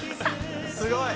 「すごい！」